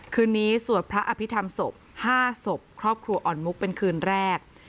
คืนนี้สวดพระอภิษฐรรมศพ๕ศพครอบครัวอ่อนมุกเป็นคืนแรก